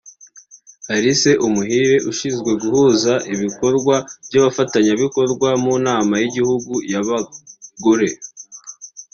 Alice Umuhire ushinzwe guhuza ibikorwa by’abafatanyabikorwa mu nama y’igihugu y’abagore